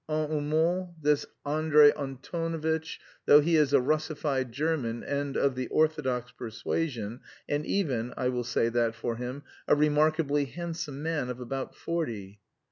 En un mot, this Andrey Antonovitch, though he is a russified German and of the Orthodox persuasion, and even I will say that for him a remarkably handsome man of about forty..."